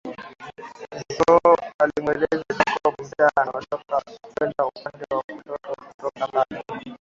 Zo alimueleza Jacob mtaa anaotaka kwenda upo upande wa kushoto kutoka pale